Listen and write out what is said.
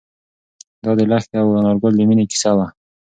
دا د لښتې او انارګل د مینې کیسه وه.